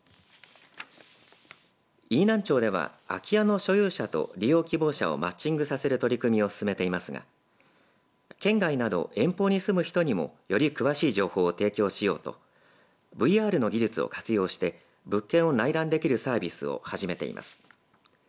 飯南町では空き家の所有者と利用希望者をマッチングさせる取り組みを進めていますが県外など遠方に住む人にもより詳しい情報を提供しようとＶＲの技術を活用して物件を内覧できるサービスを始めています。